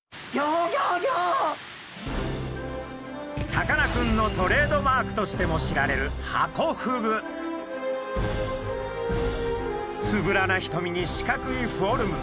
さかなクンのトレードマークとしても知られるつぶらなひとみに四角いフォルム。